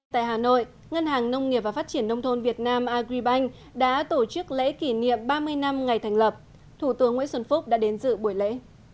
tại hà nội ngân hàng nông nghiệp và phát triển nông thôn việt nam agribank đã tổ chức lễ kỷ niệm ba mươi năm ngày thành lập thủ tướng nguyễn xuân phúc đã đến dự buổi lễ